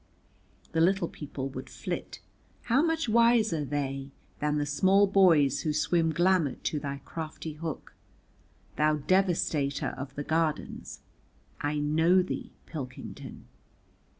The little people would flit. How much wiser they than the small boys who swim glamoured to thy crafty hook. Thou devastator of the Gardens, I know thee, Pilkington.